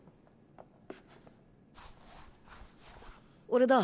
俺だ！